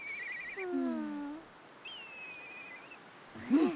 うん！